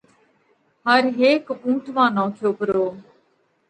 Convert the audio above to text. هر هيڪ اُونٺ مانه نوکيو پرو۔